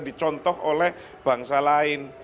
dicontoh oleh bangsa lain